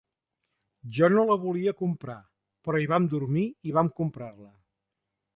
Jo no la volia comprar, però hi vam dormir i vam comprar-la